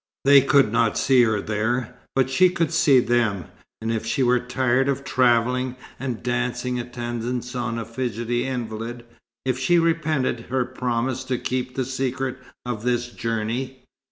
They could not see her there, but she could see them, and if she were tired of travelling and dancing attendance on a fidgety invalid if she repented her promise to keep the secret of this journey?